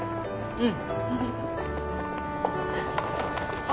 うん？